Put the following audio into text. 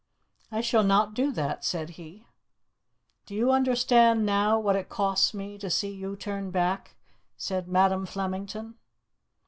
"I shall not do that," said he. "Do you understand now what it costs me to see you turn back?" said Madam Flemington.